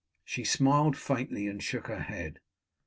She smiled faintly and shook her head.